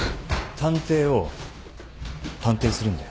探偵を探偵するんだよ。